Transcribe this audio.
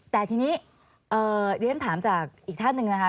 แต่ทีนี้เรียนถามจากอีกท่านหนึ่งนะคะ